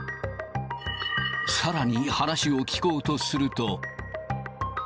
さらに話を聞こうとすると。